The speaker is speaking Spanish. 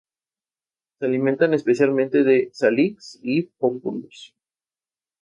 Tiene su sede central en la ciudad de Albacete.